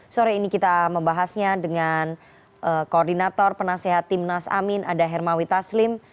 sore ini kita membahasnya dengan koordinator penasehat timnas amin ada hermawi taslim